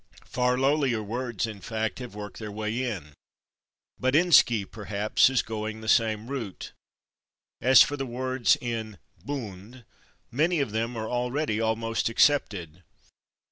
Far lowlier words, in fact, have worked their way in. /Buttinski/, perhaps, is going the same route. As for the words in / bund/, many of them are already almost accepted.